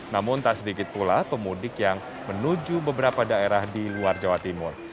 namun tak sedikit pula pemudik yang menuju beberapa daerah di luar jawa timur